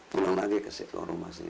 pulang lagi ke situ rumah